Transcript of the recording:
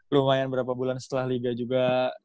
lumayan berapa bulan setelah liga juga